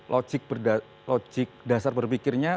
logik dasar berpikirnya